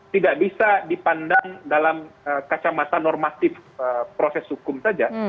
tidak bisa dipandang dalam kacamata normatif proses hukum saja